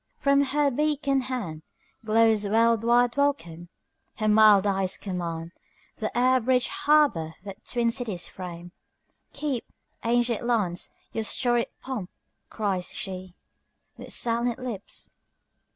From her beacon handGlows world wide welcome; her mild eyes commandThe air bridged harbour that twin cities frame."Keep, ancient lands, your storied pomp!" cries sheWith silent lips.